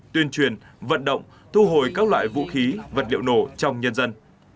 tuyên truyền vận động thu hồi các loại vũ khí vật liệu nổ trong nhân dân